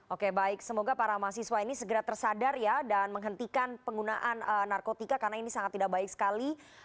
oke baik semoga para mahasiswa ini segera tersadar ya dan menghentikan penggunaan narkotika karena ini sangat tidak baik sekali